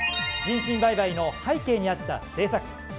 人身売買の背景にあった政策。